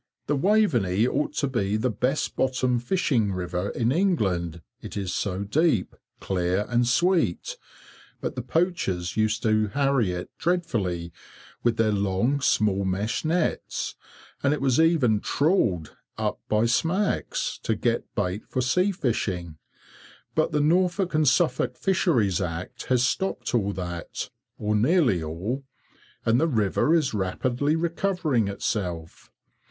The Waveney ought to be the best bottom fishing river in England, it is so deep, clear, and sweet, but the poachers used to harry it dreadfully, with their long, small meshed nets, and it was even trawled up by smacks, to get bait for sea fishing, but the Norfolk and Suffolk Fisheries Act has stopped all that, or nearly all, and the river is rapidly recovering itself.